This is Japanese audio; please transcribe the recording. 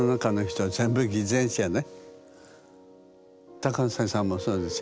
高瀬さんもそうでしょ？